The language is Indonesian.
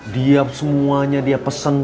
dia semuanya dia pesen